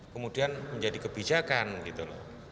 kemudian menjadi kebijakan gitu loh